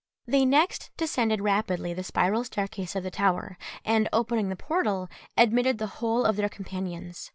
They next descended rapidly the spiral staircase of the tower, and opening the portal, admitted the whole of their companions.